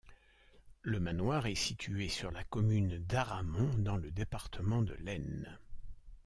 Le manoir est situé sur la commune d'Haramont, dans le département de l'Aisne.